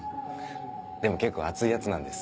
でも結構熱いヤツなんです。